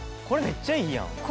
これめっちゃいいやん。